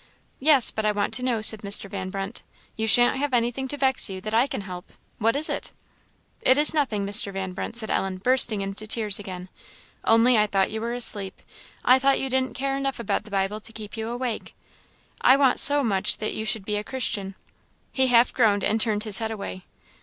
"Yes, but I want to know," said Mr. Van Brunt; "you shan't have anything to vex you that I can help; what is it?" "It is nothing, Mr. Van Brunt," said Ellen, bursting into tears again "only I thought you were asleep I I thought you didn't care enough about the Bible to keep awake I want so much that you should be a Christian!" He half groaned, and turned his head away.